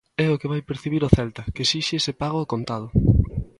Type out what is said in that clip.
É o que vai percibir o Celta, que esixe ese pago ao contado.